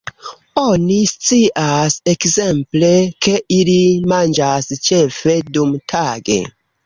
Oni scias ekzemple, ke ili manĝas ĉefe dumtage.